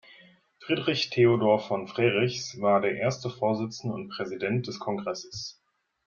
Friedrich Theodor von Frerichs war der erste Vorsitzende und Präsident des Kongresses.